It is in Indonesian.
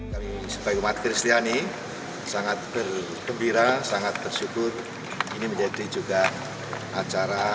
kami sebagai umat kristiani sangat bergembira sangat bersyukur ini menjadi juga acara